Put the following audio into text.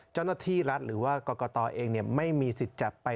เจ้าหน้าที่รัฐหรือว่ากรกตเองไม่มีสิทธิ์จะไป